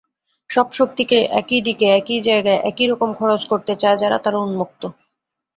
সব শক্তিকেই একই দিকে একই জায়গায় একই রকমে খরচ করতে চায় যারা তারা উন্মত্ত।